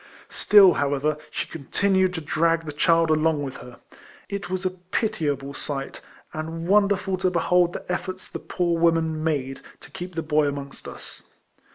Still, however, she continued to drag the child along with her. It was a pitiable sight, and wonderful to behold the eiforts the poor woman made to keep the boy amongst us.